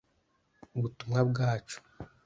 butumwa bwacu